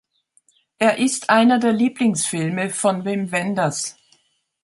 Er ist einer der Lieblingsfilme von Wim Wenders.